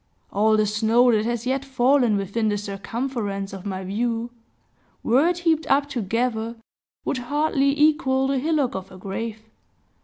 All the snow that has yet fallen within the circumference of my view, were it heaped up together, would hardly equal the hillock of a grave.